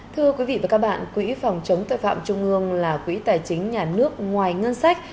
thưa quý vị và các bạn quỹ phòng chống tội phạm trung ương là quỹ tài chính nhà nước ngoài ngân sách